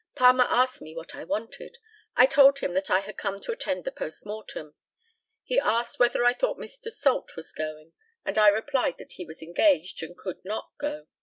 Palmer asked me what I wanted? I told him that I had come to attend the post mortem. He asked whether I thought Mr. Salt was going; and I replied that he was engaged, and could not go.